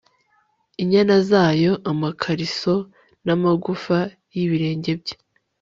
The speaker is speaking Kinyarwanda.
inyana zayo amakariso namagufa yibirenge bye